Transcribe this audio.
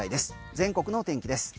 全国の天気です。